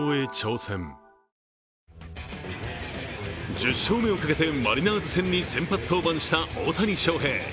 １０勝目をかけてマリナーズ戦に先発登板した大谷翔平。